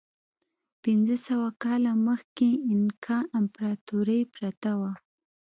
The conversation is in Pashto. پنځه سوه کاله مخکې اینکا امپراتورۍ پرته وه.